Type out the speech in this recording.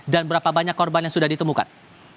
dan berapa banyak korban yang sudah ditemukan